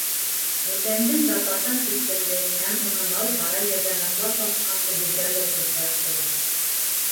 Бесәндең запасын тикшерҙе һәм уны мал ҡара ергә ныҡлап баҫҡансы етерлек тип тапты.